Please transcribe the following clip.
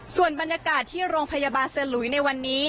ส่วนบรรยากาศที่โรงพยาบาลสลุยในวันนี้